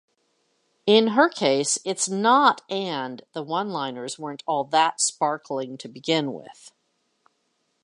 In her case, it's not-and the one-liners weren't all that sparkling to begin with.